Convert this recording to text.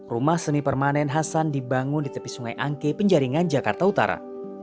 rumah seni permanen hasan dibangun di tepi sungai angke penjaringan jakarta utara